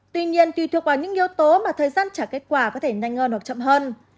tuy nhiên tùy thuộc vào những yếu tố mà thời gian trả kết quả có thể nhanh hơn hoặc chậm hơn